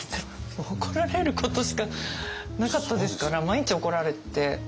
もう怒られることしかなかったですから毎日怒られて。